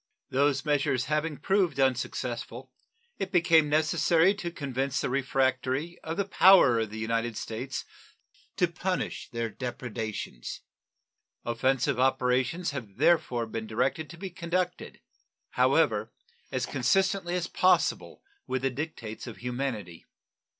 Those measures having proved unsuccessful, it became necessary to convince the refractory of the power of the United States to punish their depredations. Offensive operations have therefore been directed, to be conducted, however, as consistently as possible with the dictates of humanity.